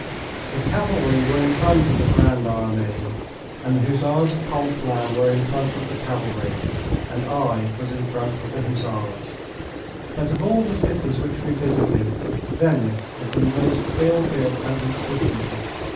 The cavalry were in front of the Grande Armee, and the Hussars of Conflans were in front of the cavalry, and I was in front of the Hussars. But of all the cities which we visited Venice is the most ill built and ridiculous.